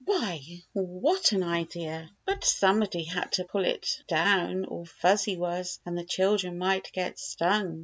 "WTiy, what an idea! But somebody had to pull it down, or Fuzzy Wuzz and the children might get stung.